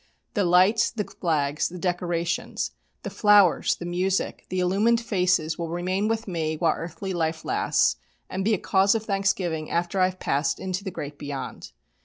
The lights, the flags, the decorations, the flowers, the music, the illumined faces will remain with me while earthly life lasts, and be a cause of thanksgiving after I have passed into the Great Beyond.